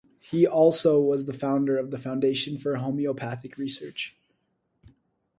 He also was the founder of the Foundation for Homeopathic Research.